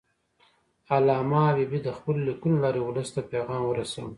علامه حبیبي د خپلو لیکنو له لارې ولس ته پیغام ورساوه.